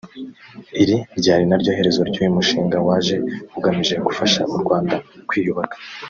Iri ryari naryo herezo ry’uyu mushinga waje ugamije gufasha u Rwanda kwiyubaka